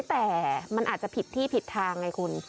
แต่มันอาจจะผิดที่ผิดทางไงคุณ